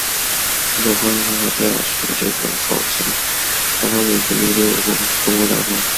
两种划分方法最大的区别就是是否将柴达木盆地列入中国南方。